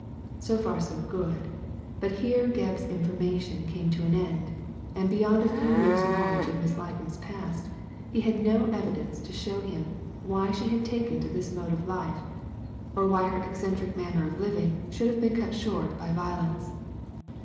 So far so good; but here Gebb's information came to an end, and beyond a few years' know ledge of Miss Ligram's past, he had no evidence to show him why she had taken to this mode of life, or why her eccentric manner of living should have been cut short by violence.